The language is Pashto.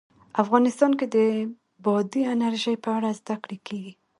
افغانستان کې د بادي انرژي په اړه زده کړه کېږي.